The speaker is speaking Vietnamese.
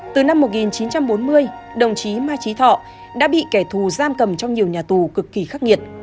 từ năm một nghìn chín trăm bốn mươi đồng chí mai trí thọ đã bị kẻ thù giam cầm trong nhiều nhà tù cực kỳ khắc nghiệt